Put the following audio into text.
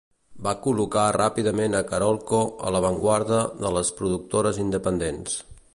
Va col·locar ràpidament a Carolco a l'avantguarda de les productores independents.